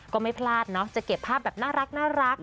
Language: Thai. ก็ไม่พลาดเนาะจะเก็บภาพแบบน่ารัก